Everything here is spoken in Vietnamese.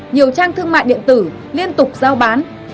nhiều trang thương mại điện tử liên tục giao bán